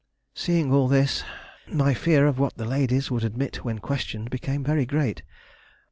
Seeing all this, my fear of what the ladies would admit when questioned became very great.